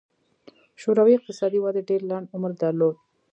شوروي اقتصادي وده ډېر لنډ عمر درلود.